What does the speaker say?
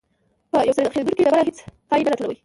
یو څرخیدونکی ډبره هیڅ کای نه راټولوي.